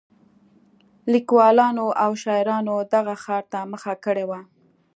لیکوالانو او شاعرانو دغه ښار ته مخه کړې وه.